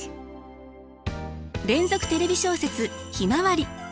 連続テレビ小説「ひまわり」。